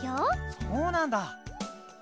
そうなんだ。